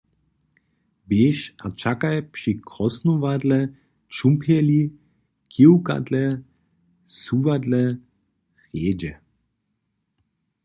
Běž a čakaj při krosnowadle, čumpjeli, kiwkadle, suwadle, hrjedźe!